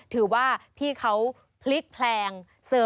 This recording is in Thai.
ถือว่าพี่เขาพลิกแพลง